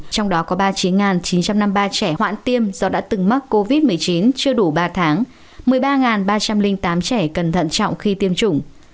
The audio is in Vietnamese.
trong đó có ba mươi chín chín trăm năm mươi ba trẻ hoãn tiêm do đã từng mắc covid một mươi chín chưa đủ ba tháng một mươi ba ba trăm linh tám trẻ cẩn thận trọng khi tiêm chủng